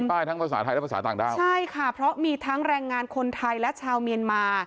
ใต้ทั้งภาษาไทยและภาษาต่างด้าวใช่ค่ะเพราะมีทั้งแรงงานคนไทยและชาวเมียนมา